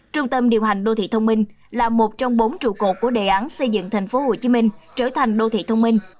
trung tâm điều hành đô thị thông minh là một trong bốn trụ cột của đề án xây dựng tp hcm trở thành đô thị thông minh